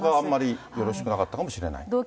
体調があまりよろしくなかったかもしれない。